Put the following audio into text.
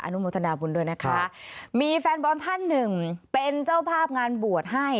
นุโมทนาบุญด้วยนะคะมีแฟนบอลท่านหนึ่งเป็นเจ้าภาพงานบวชให้